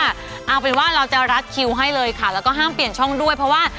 เอาเป็นว่าเราจะรัดคิวให้เลยค่ะแล้วก็ห้ามเปลี่ยนช่องด้วยเพราะว่า